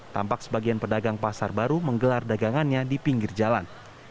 tampak sebagian pedagang pasar baru menggelar dagangannya di pinggir jalan